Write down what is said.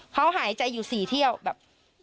เขาหายใจอยู่๔เที่ยวแบบ